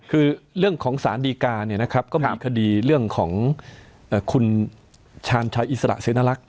คือเรื่องของศาลดีกาก็มีคดีเรื่องของคุณชาญชัยอิสระเสนอลักษณ์